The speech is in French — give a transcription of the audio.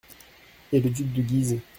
Et le duc de Guise ?